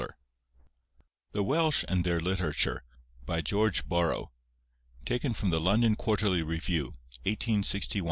org The Welsh and their Literature by George Borrow taken from the "The London Quarterly Review", 1861, pages 20–33.